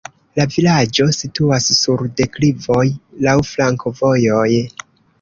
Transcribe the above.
La vilaĝo situas sur deklivoj, laŭ flankovojoj.